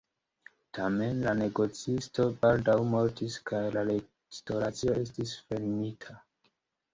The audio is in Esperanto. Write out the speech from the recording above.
Tamen la negocisto baldaŭ mortis kaj la restoracio estis fermita.